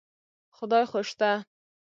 خدای خو شته.